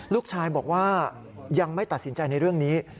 ลูกชายบอกว่ายังไม่ตัดสินใจในเรื่องนี้